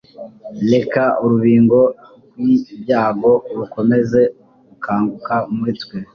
reka urubingo rwibyago rukomeze gukanguka muri twe